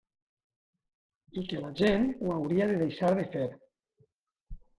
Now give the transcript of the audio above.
I que la gent ho hauria de deixar de fer.